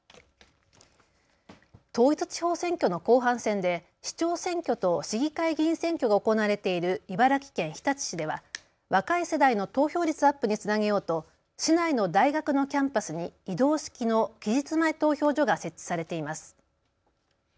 統一地方選挙の後半戦で市長選挙と市議会議員選挙が行われている茨城県日立市では若い世代の投票率アップにつなげようと市内の大学のキャンパスに移動式の期日前投票所が設置されています。